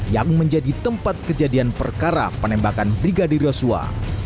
yang menjadi tempat kejadian perkara penembakan brigadir yosua